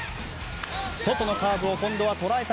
外のカーブを今度は捉えた。